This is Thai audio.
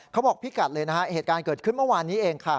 พิกัดเลยนะฮะเหตุการณ์เกิดขึ้นเมื่อวานนี้เองค่ะ